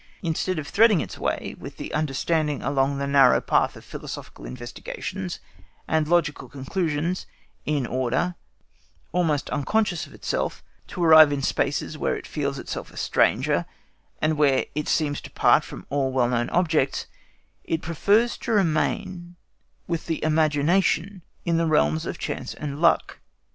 Instead of threading its way with the understanding along the narrow path of philosophical investigations and logical conclusions, in order, almost unconscious of itself, to arrive in spaces where it feels itself a stranger, and where it seems to part from all well known objects, it prefers to remain with the imagination in the realms of chance and luck.